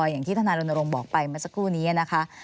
อย่างที่ทนายรณรงค์บอกไปเมื่อสักครู่นี้นะคะ